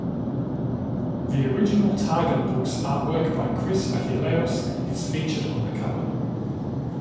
The original Target books artwork by Chris Achilleos is featured on the cover.